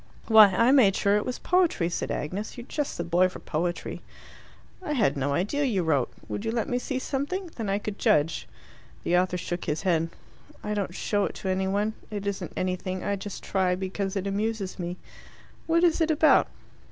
"Why, I made sure it was poetry!" said Agnes. "You're just the boy for poetry." "I had no idea you wrote. Would you let me see something? Then I could judge." The author shook his head. "I don't show it to any one. It isn't anything. I just try because it amuses me." "What is it about?"